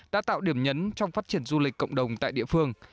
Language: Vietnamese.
đã tạo điểm nhấn trong phát triển du lịch cộng đồng tại địa phương